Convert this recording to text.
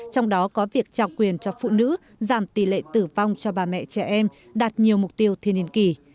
trong đó có việc trao quyền cho phụ nữ giảm tỷ lệ tử vong cho bà mẹ trẻ em đạt nhiều mục tiêu thiên nhiên kỳ